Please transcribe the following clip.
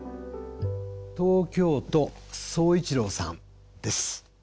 東京都壮一朗さんです。